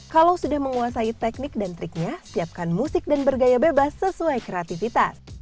kalau sudah menguasai teknik dan triknya siapkan musik dan bergaya bebas sesuai kreativitas